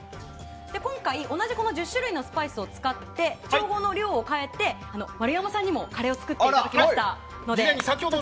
今回、同じ１０種類のスパイスを使って調合の量を変えて丸山さんにもカレーを作っていただきましたので。